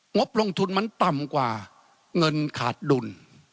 งบลงทุนมันต่ำกว่าเงินขาดดุล